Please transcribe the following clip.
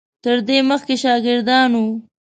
تر دې مخکې شاګردان وو.